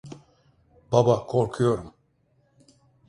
Baba, korkuyorum.